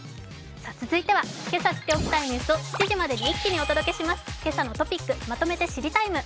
続いてはけさ知っておきたいニュースを７時前に一気にお伝えします「けさのトピックまとめて知りＴＩＭＥ，」。